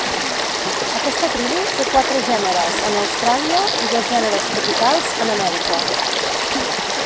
Aquesta tribu té quatre gèneres en Austràlia i dos gèneres tropicals en Amèrica.